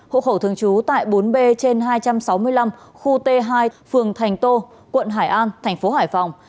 hộ khẩu thường trú tại bốn b trên hai trăm sáu mươi năm khu t hai phường thành tô quận hải an thành phố hải phòng